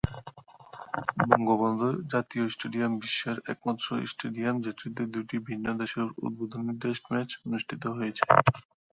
বঙ্গবন্ধু জাতীয় স্টেডিয়াম বিশ্বের একমাত্র স্টেডিয়াম যেটিতে দুটি ভিন্ন দেশের উদ্বোধনী টেস্ট ম্যাচ অনুষ্ঠিত হয়েছে।